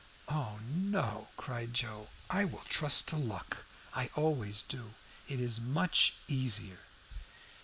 "Oh no!" cried Joe. "I will trust to luck. I always do; it is much easier."